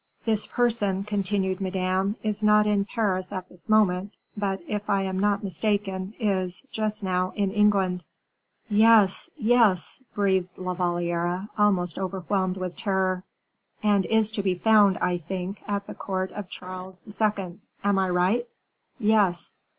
"This person," continued Madame, "is not in Paris at this moment; but, if I am not mistaken, is, just now, in England." "Yes, yes," breathed La Valliere, almost overwhelmed with terror. "And is to be found, I think, at the court of Charles II.; am I right?" "Yes."